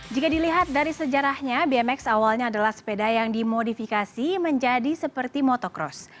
jika dilihat dari sejarahnya bmx awalnya adalah sepeda yang dimodifikasi menjadi seperti motocross